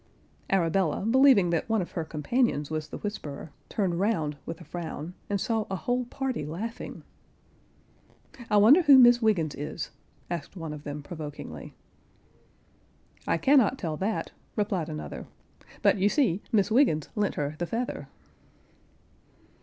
Arabella, believing that one of her companions was the whisperer, turned round, with a frown, and saw a whole party laughing. "I wonder who Miss Wiggens is?" asked one of them provokingly. "I cannot tell that," replied another; "but you see, Miss Wiggens lent her the feather."